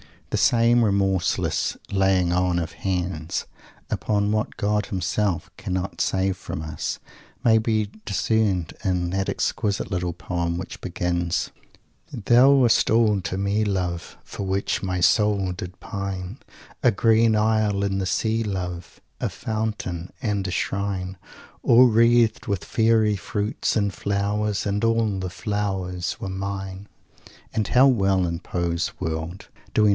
The same remorseless "laying on of hands" upon what God himself cannot save from us may be discerned in that exquisite little poem which begins: "Thou wast all to me, love, For which my soul did pine; A green isle in the Sea, love, A Fountain and a Shrine All wreathed with Fairy fruits and flowers; And all the flowers were mine!"